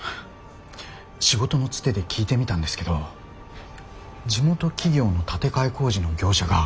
仕事のツテで聞いてみたんですけど地元企業の建て替え工事の業者が